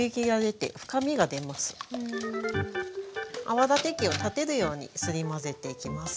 泡立て器を立てるようにすり混ぜていきます。